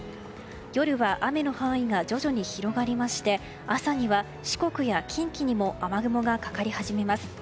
夜は雨の範囲が徐々に広がりまして朝には四国や近畿にも雨雲がかかり始めます。